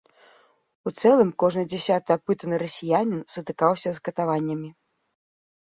У цэлым кожны дзясяты апытаны расіянін сутыкаўся з катаваннямі.